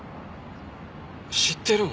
知ってるん？